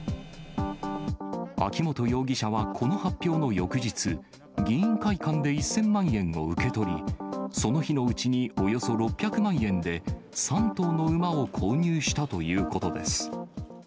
秋本容疑者は、この発表の翌日、議員会館で１０００万円を受け取り、その日のうちにおよそ６００万円で３頭の馬を購入したということです。